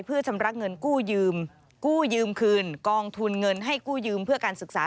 เพื่อชำระเงินกู้ยืมกู้ยืมคืนกองทุนเงินให้กู้ยืมเพื่อการศึกษา